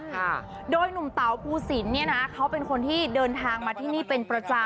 ค่ะโดยหนุ่มเต๋าภูสินเนี่ยนะเขาเป็นคนที่เดินทางมาที่นี่เป็นประจำ